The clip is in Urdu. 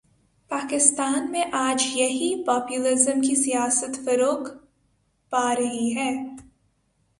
پاکستان میں آج یہی پاپولزم کی سیاست فروغ پا رہی ہے۔